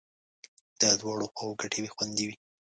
د دواړو خواو ګټې خوندي وې.